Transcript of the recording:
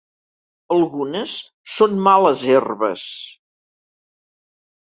Algunes són males herbes.